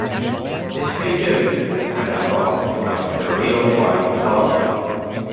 If we do, then the law becomes the real white elephant.